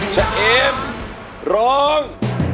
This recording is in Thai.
ชะเอ็มร้อง